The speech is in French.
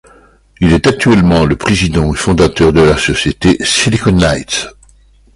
Il est actuellement le président et fondateur de la société Silicon Knights.